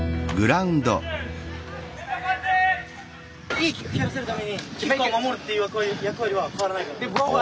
いいキック蹴らせるためにキッカーを守るっていう役割は変わらないから。